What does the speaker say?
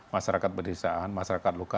masyarakat pedesaan masyarakat lokal